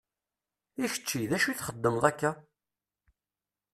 I kečči d acu i txeddmeḍ akka?